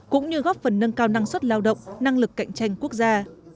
cũng như góp phần nâng cao năng suất lao động năng lực cạnh tranh quốc gia